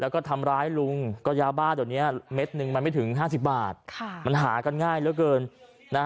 แล้วก็ทำร้ายลุงก็ยาบ้าเดี๋ยวนี้เม็ดหนึ่งมันไม่ถึง๕๐บาทมันหากันง่ายเหลือเกิน